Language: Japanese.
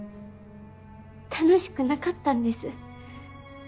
楽しくなかったんです。